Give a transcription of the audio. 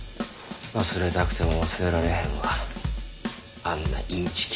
忘れたくても忘れられへんわあんなインチキ。